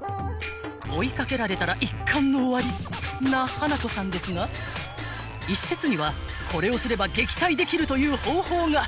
［追い掛けられたら一巻の終わりな花子さんですが一説にはこれをすれば撃退できるという方法が］